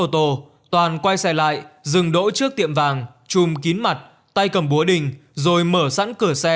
tô toàn quay xe lại dừng đỗ trước tiệm vàng chùm kín mặt tay cầm búa đình rồi mở sẵn cửa xe